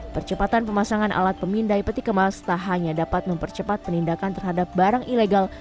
percepatan pemasangan alat pemindai peti kemas tak hanya dapat mempercepat penindakan terhadap barang ilegal